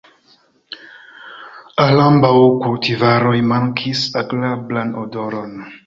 Al ambaŭ kultivaroj mankis agrablan odoron.